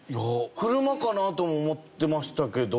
車かなとも思ってましたけど。